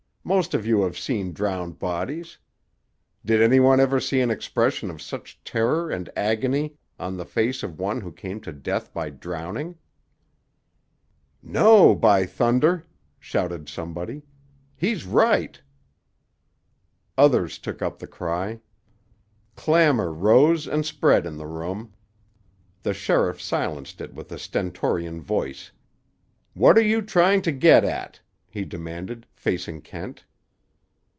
Most of you have seen drowned bodies. Did any one ever see an expression of such terror and agony on the face of one who came to death by drowning?" [Illustration: Murder! echoed a voice from the doorway.] "No, by thunder!" shouted somebody. "He's right." Others took up the cry. Clamor rose and spread in the room. The sheriff silenced it with a stentorian voice. "What are you trying to get at?" he demanded, facing Kent.